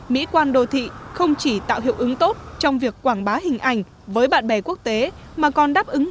mỹ quan đô thị không chỉ tạo hiệu ứng tốt trong việc quảng bá hình ảnh với bạn bè quốc tế mà còn đáp ứng